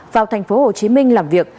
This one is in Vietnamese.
vào tp hcm làm việc